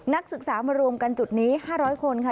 นักศึกษามารวมกันจุดนี้๕๐๐คนค่ะ